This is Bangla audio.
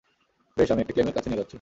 বেশ, আমি এটা ক্লেমের কাছে নিয়ে যাচ্ছি।